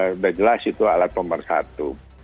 sudah jelas itu alat pemersatu